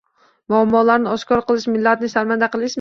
Muammolarni oshkor qilish — millatni sharmanda qilishmi?